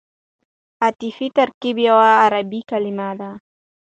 عطفي ترکیب یوه عربي کلیمه ده.